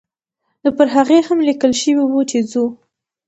نو پر هغې هم لیکل شوي وو چې ځو.